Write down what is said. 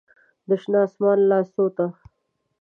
د شنه اسمان لاسو ته